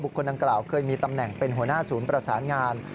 คนดังกล่าวเคยมีตำแหน่งเป็นหัวหน้าศูนย์ประสานงาน